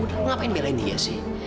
udah mau ngapain belain dia sih